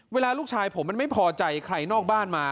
เวลาลูกชายผมมันไม่พอใจใครนอกบ้านมา